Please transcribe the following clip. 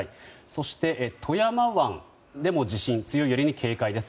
そして、富山湾でも強い揺れに警戒です。